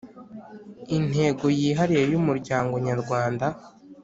Intego yihariye y umuryango nyarwanda